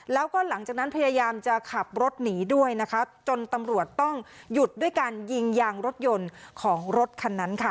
แล้วก็หลังจากนั้นพยายามจะขับรถหนีด้วยนะคะจนตำรวจต้องหยุดด้วยการยิงยางรถยนต์ของรถคันนั้นค่ะ